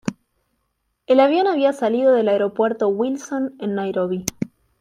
El avión había salido del aeropuerto Wilson en Nairobi.